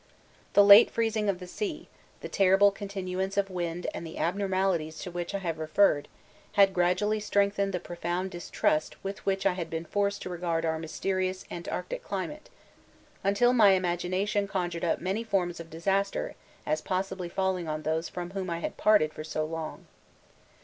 The late freezing of the sea, the terrible continuance of wind and the abnormalities to which I have referred had gradually strengthened the profound distrust with which I had been forced to regard our mysterious Antarctic climate until my imagination conjured up many forms of disaster as possibly falling on those from whom I had parted for so long.